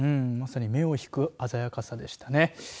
まさに目を引く鮮やかさでしたね。